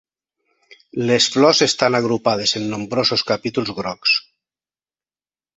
Les flors estan agrupades en nombrosos capítols grocs.